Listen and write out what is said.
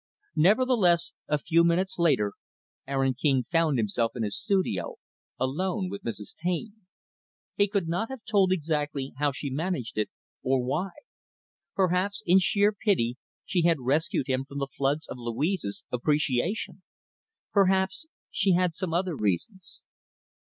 Nevertheless, a few minutes later, Aaron King found himself in his studio, alone with Mrs. Taine. He could not have told exactly how she managed it, or why. Perhaps, in sheer pity, she had rescued him from the floods of Louise's appreciation. Perhaps she had some other reasons.